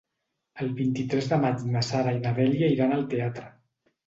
El vint-i-tres de maig na Sara i na Dèlia iran al teatre.